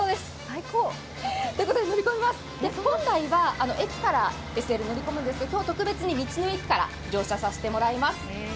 本来は駅からＳＬ乗り込むんですが今日は特別に道の駅から乗車させてもらいます。